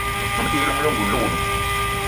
Ma me ti yi llong lengouna le owono.